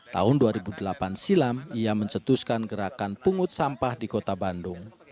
tahun dua ribu delapan silam ia mencetuskan gerakan pungut sampah di kota bandung